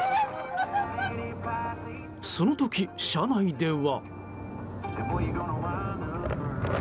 その時、車内では。